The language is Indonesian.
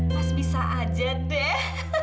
mas bisa aja deh